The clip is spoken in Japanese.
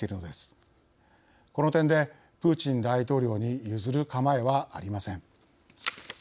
この点でプーチン大統領に譲る構えはありません。